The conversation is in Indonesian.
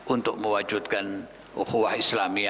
untuk mewujudkan ukhwah islamia